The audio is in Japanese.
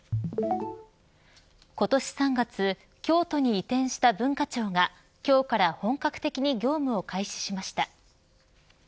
今年３月京都に移転した文化庁が今日から本格的に業務を開始しました。